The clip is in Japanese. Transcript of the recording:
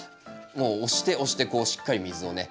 もう押して押してこうしっかり水をね